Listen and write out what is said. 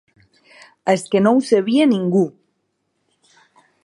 És que no ho sabia ningú!